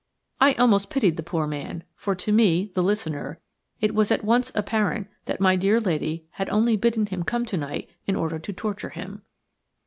I almost pitied the poor man, for to me–the listener–it was at once apparent that my dear lady had only bidden him come to night in order to torture him.